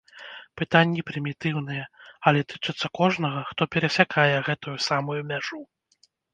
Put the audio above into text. Пытанні прымітыўныя, але тычацца кожнага, хто перасякае гэтую самую мяжу.